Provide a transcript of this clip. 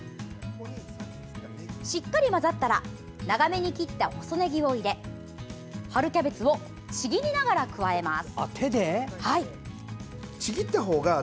しっかり混ざったら長めに切った細ねぎを入れ春キャベツをちぎりながら加えます。